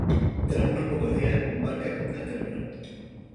Tras unos pocos días, Barker las terminó.